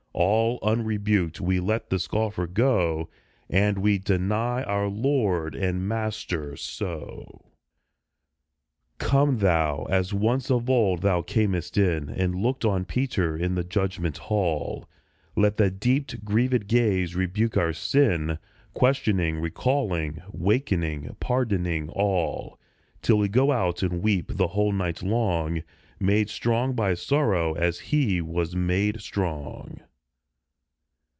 All unrebuked we let the scoffer go, And we deny our Lord and Master so. 72 DENIAL Come Thou, as once of old Thou earnest in And " looked on Peter " in the judgment hall ; Let that deep, grieved gaze rebuke our sin, Questioning, recalling, wakening, pardoning all, Till we go out and weep the whole night long, Made strong by sorrow as He was made strong.